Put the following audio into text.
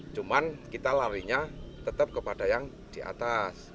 cuman kita larinya tetap kepada yang di atas